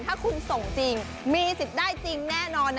ถ้าคุณส่งจริงมีสิทธิ์ได้จริงแน่นอน